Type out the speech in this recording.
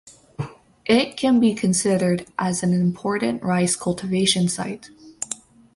It can be considered as an important rice cultivation site.